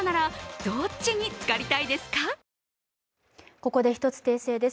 ここで１つ訂正です。